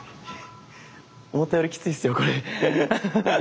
思ったよりきついっすよこれ。